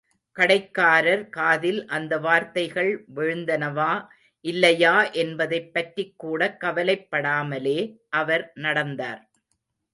கடைக்காரர் காதில் அந்த வார்த்தைகள் விழுந்தனவா இல்லையா என்பதைப் பற்றிக் கூடக் கவலைப்படாமலே அவர் நடந்தார்.